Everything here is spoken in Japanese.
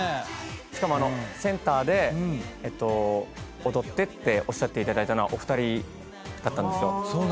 しかも「センターで踊って」っておっしゃっていただいたのはお二人だったんですよ。